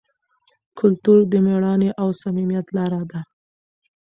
کلتور د مېړانې او صمیمیت لاره ده.